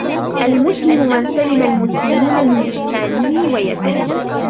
الْمُسْلِمُ مَنْ سَلِمَ الْمُسْلِمُونَ مِنْ لِسَانِهِ وَيَدِهِ.